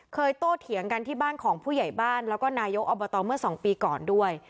โตเถียงกันที่บ้านของผู้ใหญ่บ้านแล้วก็นายกอบตเมื่อ๒ปีก่อนด้วย